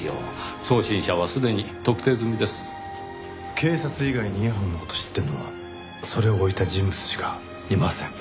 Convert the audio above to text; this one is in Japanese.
警察以外にイヤフォンの事を知っているのはそれを置いた人物しかいません。